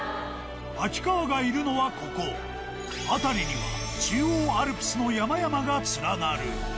秋川がいるのはここ、辺りには中央アルプスの山々が連なる。